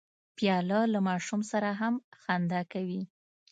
پیاله له ماشوم سره هم خندا کوي.